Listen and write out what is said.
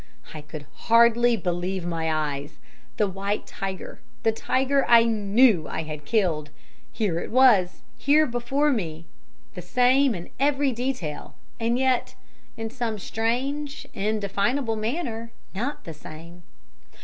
"I could hardly believe my eyes the white tiger, the tiger I knew I had killed! Here it was! Here before me! The same in every detail, and yet in some strange, indefinable manner not the same.